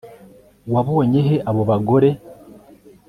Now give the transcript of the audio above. wabonye he abo bagore